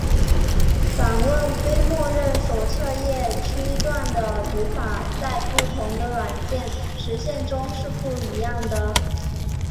访问非默认手册页区段的语法在不同的软件实现中是不一样的。